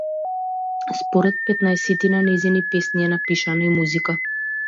Според петнаесетина нејзини песни е напишана и музика.